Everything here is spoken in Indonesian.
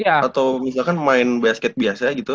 emang atlet atau misalkan main basket biasa gitu